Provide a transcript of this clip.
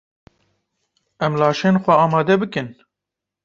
Em laşên xwe amade bikin.